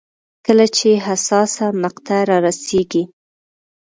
کله چې حساسه مقطعه رارسېږي.